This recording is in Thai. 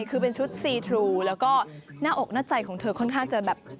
คือเป็นชุดซีทรูแล้วก็หน้าอกหน้าใจของเธอค่อนข้างจะแบบ